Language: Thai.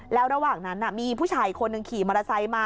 แล้วระหว่างนั้นมีผู้ชายคนหนึ่งขี่มอเตอร์ไซค์มา